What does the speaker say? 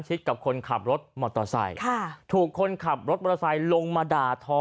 กับคนขับรถมอเตอร์ไซค์ค่ะถูกคนขับรถมอเตอร์ไซค์ลงมาด่าทอ